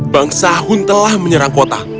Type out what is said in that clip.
bang sahun telah menyerang kota